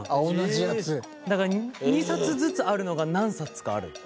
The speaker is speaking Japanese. だから２冊ずつあるのが何冊かある。